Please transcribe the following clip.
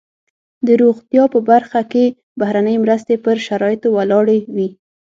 د روغتیا په برخه کې بهرنۍ مرستې پر شرایطو ولاړې وي.